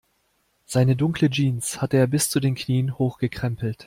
Seine dunkle Jeans hatte er bis zu den Knien hochgekrempelt.